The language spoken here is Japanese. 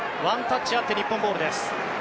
ワンタッチあって、日本ボール。